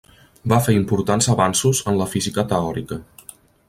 Va fer importants avanços en la física teòrica.